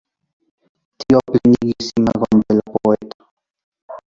Tio plenigis imagon de la poeto.